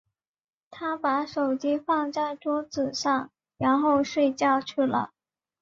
她把手机放在桌子上，然后睡觉去了。